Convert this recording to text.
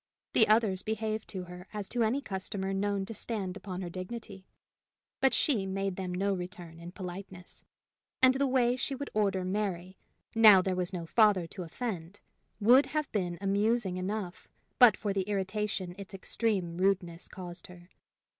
The others behaved to her as to any customer known to stand upon her dignity, but she made them no return in politeness; and the way she would order Mary, now there was no father to offend, would have been amusing enough but for the irritation its extreme rudeness caused her.